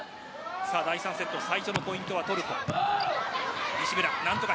第３セット最初のポイントはトルコ。